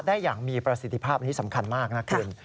ได้อย่างมีประสิทธิภาพอันนี้สำคัญมากนะคุณ